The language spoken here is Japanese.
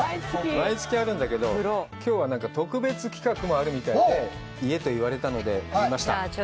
毎月あるんだけど、きょうはなんか特別企画もあるみたいで、言えと言われたので言いました。